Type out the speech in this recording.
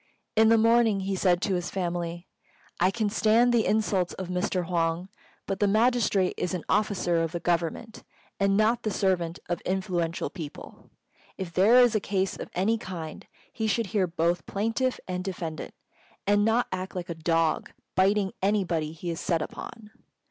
In the morning he said to his family, "I can stand the insults of Mr. Huang; but the magistrate is an officer of the Government, and not the servant of influential people. If there is a case of any kind, he should hear both plaintiff and defendant, and not act like a dog, biting anybody he is set upon.